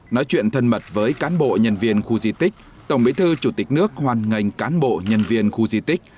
nói chuyện thân mật với cán bộ nhân viên khu di tích tổng bí thư chủ tịch nước hoàn ngành cán bộ nhân viên khu di tích